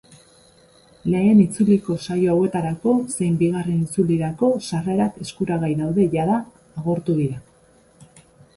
Lehen itzuliko saio hauetarako zein bigarren itzulirako sarrerak eskuragai daude jada agortu dira.